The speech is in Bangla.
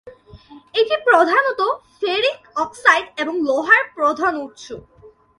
এটি প্রধানতঃ ফেরিক অক্সাইড এবং লোহার প্রধান উৎস।